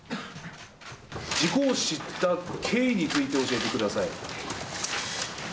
事故を知った経緯について教えてください。